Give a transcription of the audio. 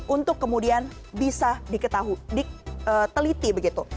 untuk kemudian bisa diteliti begitu